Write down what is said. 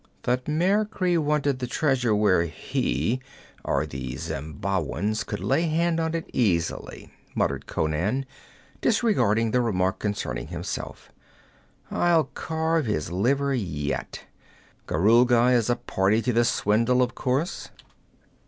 'Thutmekri wanted the treasure where he or the Zembabwans could lay hand on it easily,' muttered Conan, disregarding the remark concerning himself. 'I'll carve his liver yet Gorulga is a party to this swindle, of course?'